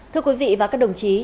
thưa quý vị và các đồng chí